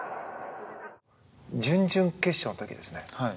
準々決勝の時ですね。